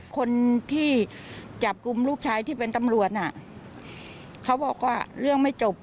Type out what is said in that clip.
คนที่จับกลุ่มลูกชายที่เป็นตำรวจน่ะเขาบอกว่าเรื่องไม่จบ